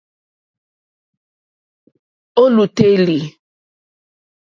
Ò lùtélì.